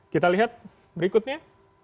kita lihat berikutnya